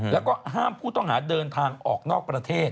แล้วก็ห้ามผู้ต้องหาเดินทางออกนอกประเทศ